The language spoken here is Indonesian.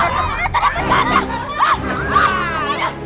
tidak ada penjahatnya